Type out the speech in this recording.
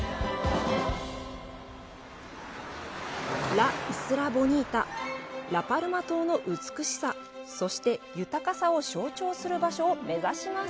「ラ・イスラ・ボニータ」ラ・パルマ島の美しさ、そして、豊かさを象徴する場所を目指します。